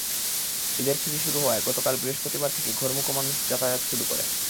ঈদের ছুটি শুরু হওয়ায় গতকাল বৃহস্পতিবার থেকে ঘরমুখো মানুষ যাতায়াত শুরু করে।